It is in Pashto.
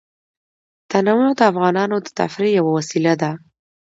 تنوع د افغانانو د تفریح یوه وسیله ده.